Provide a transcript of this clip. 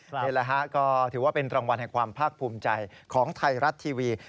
นี่แหละฮะก็ถือว่าเป็นรางวัลแห่งความภาคภูมิใจของไทยรัฐทีวี